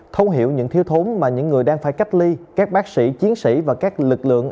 thấu hiểu những thiếu thốn mà những người đang phải cách ly các bác sĩ chiến sĩ và các lực lượng